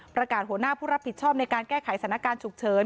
หัวหน้าผู้รับผิดชอบในการแก้ไขสถานการณ์ฉุกเฉิน